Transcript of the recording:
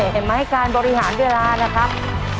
เห็นไหมการบริหารเวลานะครับ